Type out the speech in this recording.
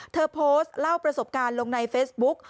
เธอโพสต์เล่าประสบการณ์ลงในเฟซบุ๊ก